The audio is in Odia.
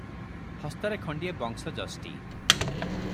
ହସ୍ତରେ ଖଣ୍ଡିଏ ବଂଶଯଷ୍ଟି ।